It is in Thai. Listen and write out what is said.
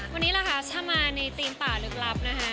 วันนี้ล่ะคะถ้ามาในธีมป่าลึกลับนะคะ